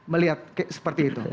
melihat seperti itu